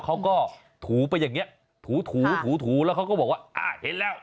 เค้าก็ถูไปอย่างนี้ถูแล้วเค้าก็บอกว่าเห็นแล้ว